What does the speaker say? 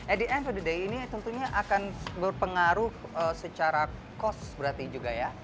at the end of the day ini tentunya akan berpengaruh secara cost berarti juga ya